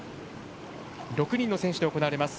６人の選手で行われます。